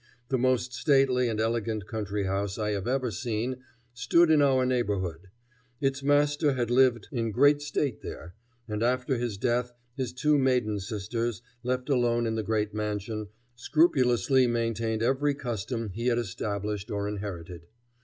The most stately and elegant country house I have ever seen stood in our neighborhood. Its master had lived in great state there, and after his death his two maiden sisters, left alone in the great mansion, scrupulously maintained every custom he had established or inherited.